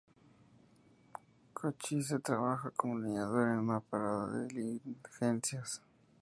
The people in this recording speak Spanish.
Cochise trabajaba como leñador en una parada de diligencias.